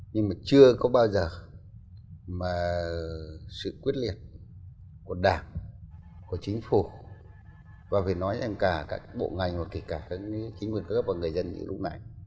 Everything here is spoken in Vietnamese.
nhưng mà chưa có bao giờ mà sự quyết liệt của đảng của chính phủ và phải nói rằng cả bộ ngành và cả chính quyền cấp và người dân như lúc nãy